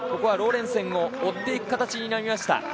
ローレンセンを追っていく形になりました。